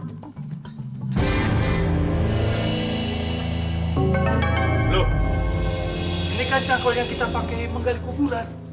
halo ini kan cangkul yang kita pakai menggali kuburan